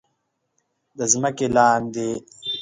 د ځمکې لاندې